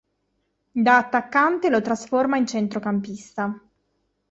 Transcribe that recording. Da attaccante lo trasforma in centrocampista.